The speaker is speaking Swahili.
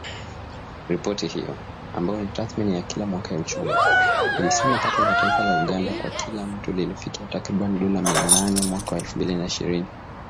Ripoti hiyo, ambayo ni tathmini ya kila mwaka ya uchumi, ilisema pato la taifa la Uganda kwa kila mtu lilifikia takriban dola mia nane mwaka wa elfu mbili na ishirini.